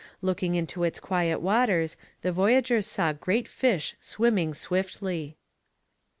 Looking into its quiet waters, the voyagers saw great fish swimming swiftly.